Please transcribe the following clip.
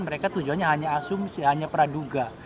mereka tujuannya hanya asumsi hanya praduga